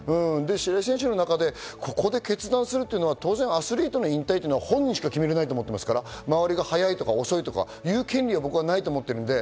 白井選手の中でここで決断するというのは当然アスリートの引退というのは、本人しか決められないと思っているので周りが早いとか遅いとか言う権利はないと僕は思ってるので。